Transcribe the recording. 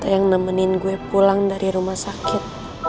yang nemenin gue pulang dari rumah sakit